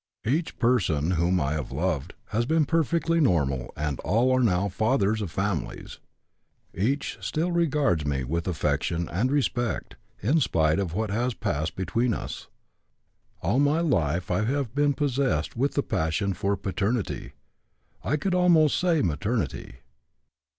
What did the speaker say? Each person whom I have loved has been perfectly normal and all are now fathers of families. Each still regards me with affection and respect in spite of what has passed between us. All my life I have been possessed with the passion for paternity, I could almost say maternity.